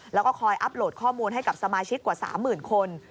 แล้วก็คอยอัพโหลดข้อมูลให้กับสมาชิกกว่า๓๐๐๐คน